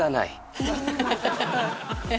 ハハハハ！